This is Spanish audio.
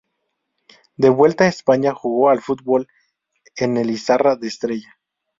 De vuelta a España jugó al fútbol en el Izarra de Estella.